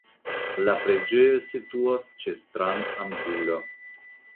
La preĝejo situas ĉe stranangulo.